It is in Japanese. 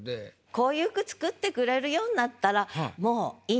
こういう句作ってくれるようになったらあら。